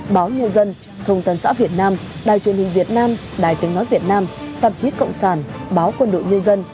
báo nhân dân thông tấn xã việt nam đài truyền hình việt nam đài tiếng nói việt nam tạp chí cộng sản báo quân đội nhân dân